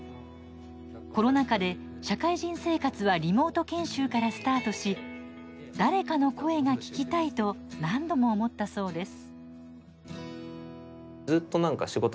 コロナ禍で社会人生活はリモート研修からスタートし「誰かの声が聞きたい」と何度も思ったそうです。